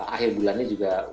akhir bulannya juga